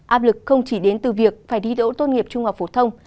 áp lực không chỉ đến từ việc phải đi đỗ tốt nghiệp trung học phổ thông